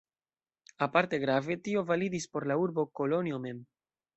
Aparte grave, tio validis por la urbo Kolonjo mem.